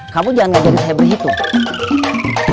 kamu jangan ngajarin saya berhitung